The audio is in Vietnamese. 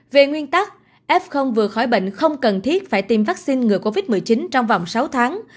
về nguyên tắc f vừa khỏi bệnh không cần thiết phải tiêm vaccine ngừa covid một mươi chín trong vòng sáu tháng